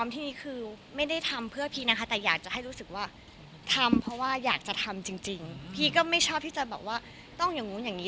แต่อยากจะให้รู้สึกว่าทำเพราะว่าอยากจะทำจริงพี่ก็ไม่ชอบที่จะบอกว่าต้องอย่างนู้นอย่างนี้